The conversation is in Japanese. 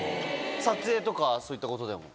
撮影とかそういったことでも。